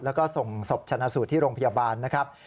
แล้วก็ส่งศพชนะสูตรที่โรงพยาบาลนะครับ